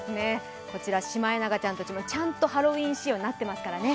シマエナガちゃんたちも、ちゃんとハロウィーン仕様になっていますからね。